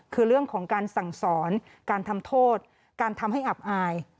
คือเรื่องของการสั่งสอนการทำโทษการทำให้อับอาย